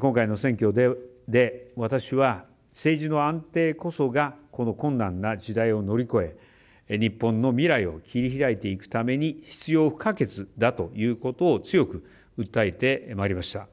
今回の選挙で私は、政治の安定こそがこの困難な時代を乗り越え日本の未来を切り開いていくために必要不可欠だということを強く訴えてまいりました。